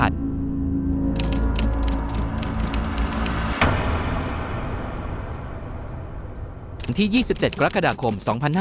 อาวุธ๒๗กรกฎาคม๒๕๒๐